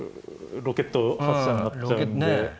ロケット発射になっちゃうんで。